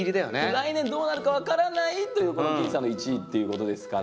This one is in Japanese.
来年どうなるか分からないというこの僅差の１位ということですから。